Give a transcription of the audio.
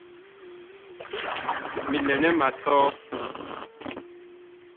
Mi lɛ nɛ ma sɔ ?